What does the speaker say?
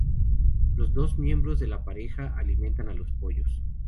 Los dos miembros de la pareja alimentan a los pollos.